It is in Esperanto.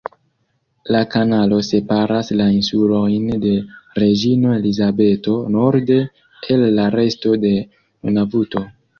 La kanalo separas la Insulojn de Reĝino Elizabeto norde el la resto de Nunavuto.